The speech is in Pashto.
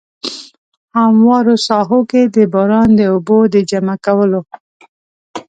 هموارو ساحو کې د باران د اوبو د جمع کولو.